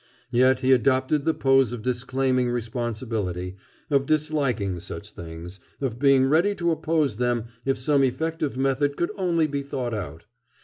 Yet he adopted the pose of disclaiming responsibility, of disliking such things, of being ready to oppose them if some effective method could only be thought out.